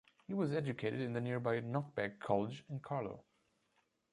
He was educated in the nearby Knockbeg College in Carlow.